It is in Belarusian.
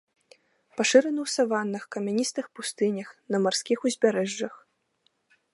Пашыраны ў саваннах, камяністых пустынях, на марскіх узбярэжжах.